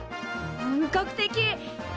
本格的！え